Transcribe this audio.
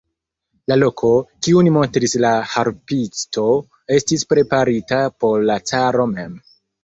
La loko, kiun montris la harpisto, estis preparita por la caro mem.